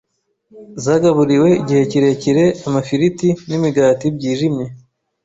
zagaburiwe igihe kirekire amafiriti n’imigati byijimye